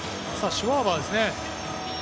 シュワバーです。